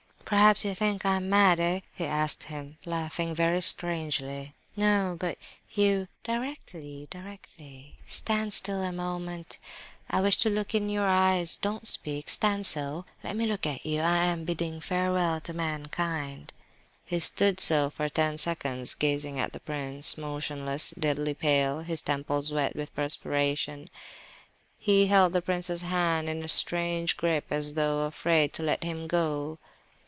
"Perhaps you think I am mad, eh?" he asked him, laughing very strangely. "No, but you—" "Directly, directly! Stand still a moment, I wish to look in your eyes; don't speak—stand so—let me look at you! I am bidding farewell to mankind." He stood so for ten seconds, gazing at the prince, motionless, deadly pale, his temples wet with perspiration; he held the prince's hand in a strange grip, as though afraid to let him go.